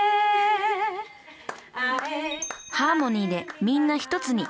ハーモニーでみんな一つに。